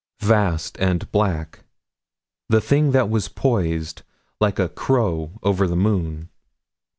27 Vast and black. The thing that was poised, like a crow over the moon.